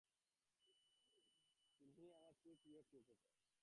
নিসার আলি বললেন, তিন্নির মাকে তো তুমি দেখেছ, তাই না?